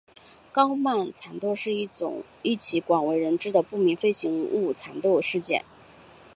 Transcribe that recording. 高曼缠斗是一起广为人知的不明飞行物缠斗事件。